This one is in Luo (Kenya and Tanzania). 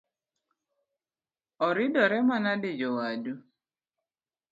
Oridore manade jowadu?